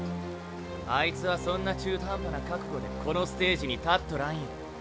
あいつはそんな中途半端な覚悟でこのステージに立っとらんよ！